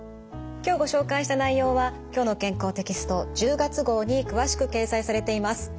今日ご紹介した内容は「きょうの健康」テキスト１０月号に詳しく掲載されています。